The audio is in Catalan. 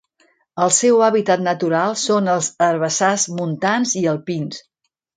El seu hàbitat natural són els herbassars montans i alpins.